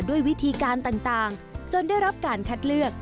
ด้วยวิธีการต่างจนได้รับการคัดเลือก